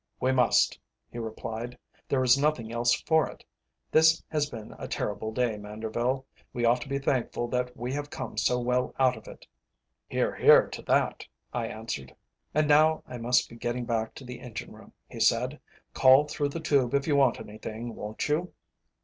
"We must," he replied; "there is nothing else for it. This has been a terrible day, Manderville. We ought to be thankful that we have come so well out of it." "Hear, hear, to that," I answered. "And now I must be getting back to the engine room," he said. "Call through the tube if you want anything, won't you?"